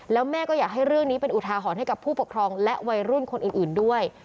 แล้วแม่ก็อยากให้เรื่องนี้เป็นอุทาหรณ์ให้กับผู้ปกครองและวัยรุ่นคนอื่นด้วย